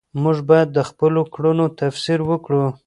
موږ باید د خپلو کړنو تفسیر وکړو.